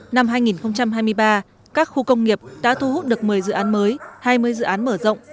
năm hai nghìn hai mươi ba các khu công nghiệp đã thu hút được một mươi dự án mới hai mươi dự án mở rộng